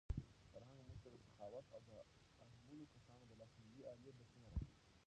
فرهنګ موږ ته د سخاوت او د اړمنو کسانو د لاسنیوي عالي درسونه راکوي.